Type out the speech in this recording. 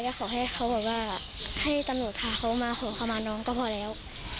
แล้วขอให้เขาแบบว่าให้ตำรวจพาเขามาขอขมาน้องก็พอแล้ว